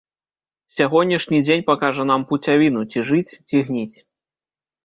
Сягонняшні дзень пакажа нам пуцявіну, ці жыць, ці гніць.